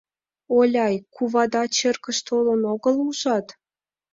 — Оляй, кувада черкыш толын огыл, ужат?